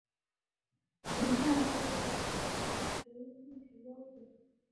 芹菜作为蔬菜食用历史悠久。